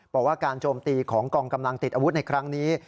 บอกว่าการโจมตีของกองกำลังติดอาวุธในครั้งนี้